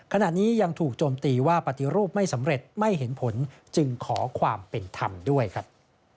ขณะนี้ยังถูกโจมตีว่าปฏิรูปไม่สำเร็จไม่เห็นผลจึงขอความเป็นธรรมด้วยครับ